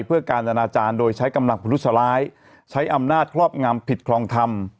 เพื่อการอนาจารย์โดยใช้กำลังพลุสร้ายใช้อำนาจครอบงำผิดคลองธรรม